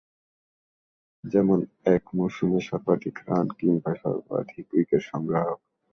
যেমন: এক মৌসুমে সর্বাধিক রান কিংবা সর্বাধিক উইকেট সংগ্রাহক।